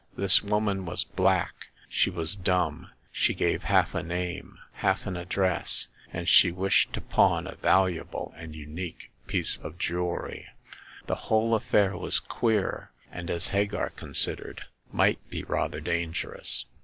This woman was black, she was dumb, she gave half a name, half an address, and she wished to pawn a valu able and unique piece of jewelry. The whole affair was queer, and, as Hagar considered, might be rather dangerous.